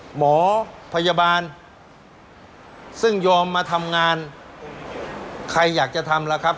หมอพยาบาลซึ่งยอมมาทำงานใครอยากจะทำล่ะครับ